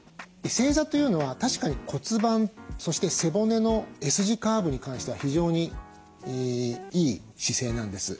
正座というのは確かに骨盤そして背骨のＳ字カーブに関しては非常にいい姿勢なんです。